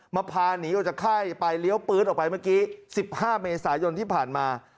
พาหนีออกจากค่ายไปเลี้ยวปื๊ดออกไปเมื่อกี้๑๕เมษายนที่ผ่านมา